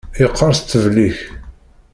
Yeqqerṣ ṭṭbel-ik.